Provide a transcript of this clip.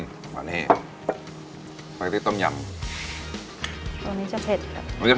เผ็ดแบบใต้หรืออีซานครับอืมไม่ว่าเป็นสวัสดิต้มยำที่แบบรสชาติจัดจ้านจริงครับ